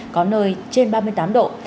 có nơi trên ba mươi tám độ